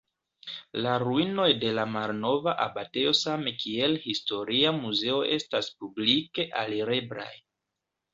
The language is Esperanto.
La ruinoj de la malnova abatejo same kiel historia muzeo estas publike alireblaj.